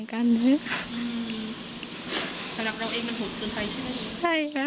สำหรับเราเองมันโหดเกินไปใช่ไหมใช่ค่ะ